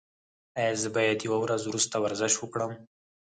ایا زه باید یوه ورځ وروسته ورزش وکړم؟